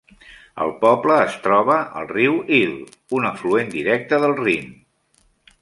El poble es troba al riu Ill, un afluent directe del Rhin.